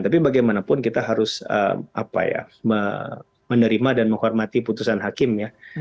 tapi bagaimanapun kita harus menerima dan menghormati putusan hakim ya